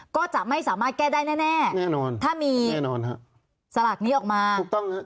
ก็จะไม่สามารถแก้ได้แน่ถ้ามีสลากนี้ออกมาแน่นอนแน่นอนครับ